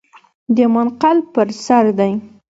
د منقل پر سر دی .